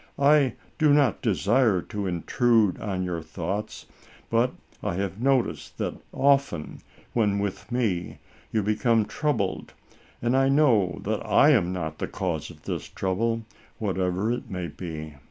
I do not desire to intrude on your thoughts, but I have noticed that often, when with me, you become troubled, and I know that I am not the cause of this trouble, whatever it may be.